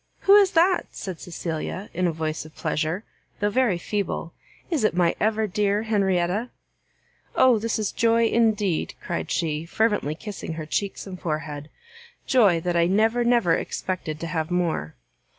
"Who is that?" said Cecilia, in a voice of pleasure, though very feeble; "is it my ever dear Henrietta?" "Oh this is joy indeed!" cried she, fervently kissing her cheeks and forehead, "joy that I never, never expected to have more!"